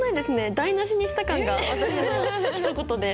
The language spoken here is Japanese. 台なしにした感が私のひと言で。